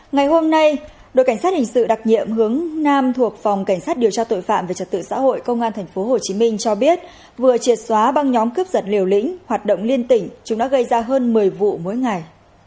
ngày hôm nay đội cảnh sát hình sự đặc nhiệm hướng nam thuộc phòng cảnh sát điều tra tội phạm về trật tự xã hội công an tp hcm cho biết vừa triệt xóa băng nhóm cướp giật liều lĩnh hoạt động liên tỉnh chúng đã gây ra hơn một mươi vụ mỗi ngày